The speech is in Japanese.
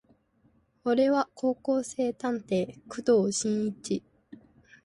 俺は高校生探偵工藤新一